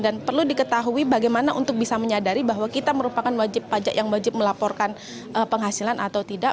dan perlu diketahui bagaimana untuk bisa menyadari bahwa kita merupakan wajib pajak yang wajib melaporkan penghasilan atau tidak